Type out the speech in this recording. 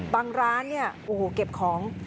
บางร้านนี่โอ้โฮเก็บของ